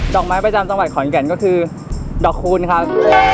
ดอกไม้ประจำจำไว้ขอนแกนคือดอกคูณครับ